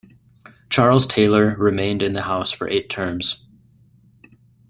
Charles Taylor remained in the House for eight terms.